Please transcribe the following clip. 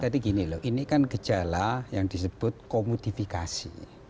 gini loh ini kan gejala yang disebut komodifikasi